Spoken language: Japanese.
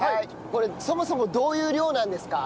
これそもそもどういう漁なんですか？